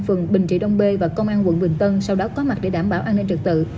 phường bình trị đông bê và công an quận bình tân sau đó có mặt để đảm bảo an ninh trực tự